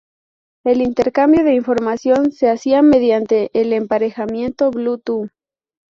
El intercambio de información se hacía mediante el emparejamiento Bluetooth.